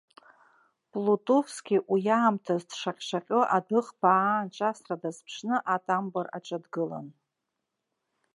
Плутовски уи аамҭаз дшаҟь-шаҟьо адәыӷба аанҿасра дазԥшны атамбор аҿы дгылан.